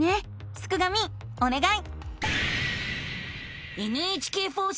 すくがミおねがい！